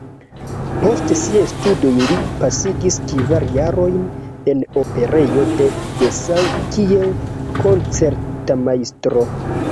Post siaj studoj li pasigis kvar jarojn en Operejo de Dessau kiel koncertmajstro.